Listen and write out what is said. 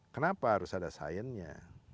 kenapa harus ada science nya